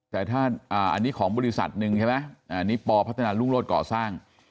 แต่ถ้าอันนี้ของบริษัทหนึ่งใช่ไหมอันนี้ปพัฒนารุ่งโรศก่อสร้าง